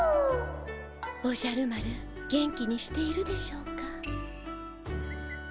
おじゃる丸元気にしているでしょうか。